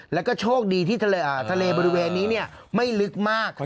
แล้วก็โชคดีที่ทะเลบริเวณนี้ไม่ลึกมาก